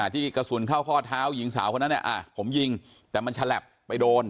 ที่กระสุนเข้าข้อเท้าหญิงสาวคนนั้นผมยิงแต่มันฉลับไปโดน